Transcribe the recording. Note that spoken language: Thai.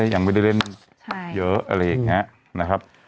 ยังไม่ได้เล่นเยอะอะไรอย่างนี้นะครับ